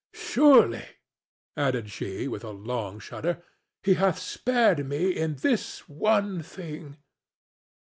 Surely," added she, with a long shudder, "he hath spared me in this one thing."